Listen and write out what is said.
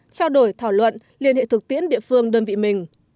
trao đổi thảo luận liên hệ thực tiễn địa phương đơn vị mình